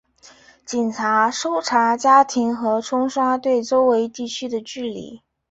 警察搜查家庭和冲刷对周围地区的距离。